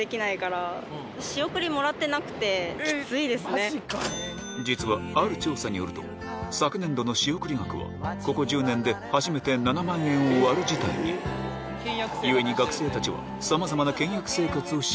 こちらは実はある調査によると昨年度の仕送り額はここ１０年で初めて７万円を割る事態に故に学生たちはそんな中僕ちょっと。